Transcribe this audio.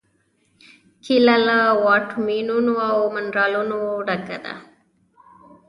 کېله له واټامینونو او منرالونو ډکه ده.